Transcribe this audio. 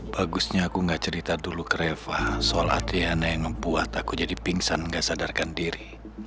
bagusnya aku gak cerita dulu ke reva soal latihan yang buat aku jadi pingsan gak sadarkan diri